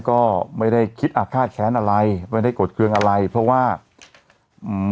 ก็ไม่ได้คิดอาฆาตแค้นอะไรไม่ได้กดเครื่องอะไรเพราะว่าอืม